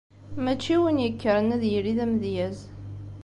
Mačči win yekkren ad yili d amedyaz.